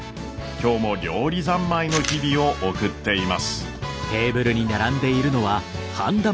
今日も料理三昧の日々を送っています。